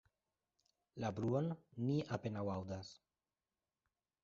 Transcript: La bruon ni apenaŭ aŭdas.